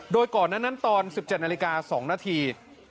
โดยก่อนนั้นตอน๑๗นาฬิกา๒นาที